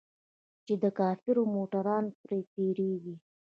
چې د کفارو موټران پر تېرېږي.